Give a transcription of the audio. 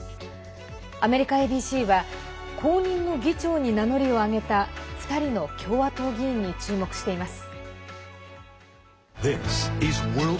アメリカＡＢＣは後任の議長に名乗りを上げた２人の共和党議員に注目しています。